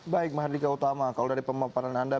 baik mahardika utama kalau dari pemaparan anda